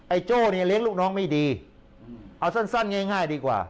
ไอ้โจ้นี่เล่นลูกน้องไม่ดีเอาสั้นง่ายดีกว่า